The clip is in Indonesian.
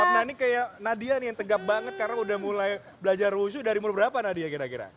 nah ini kayak nadia nih yang tegap banget karena udah mulai belajar wushu dari umur berapa nadia kira kira